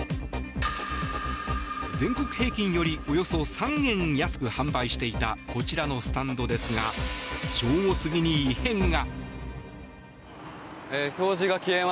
全国平均よりおよそ３円安く販売していたこちらのスタンドですが正午過ぎに異変が。